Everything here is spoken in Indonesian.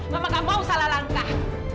mama nggak mau salah langkah